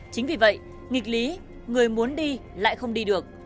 chính vì vậy nghịch lý người muốn đi lại không đi được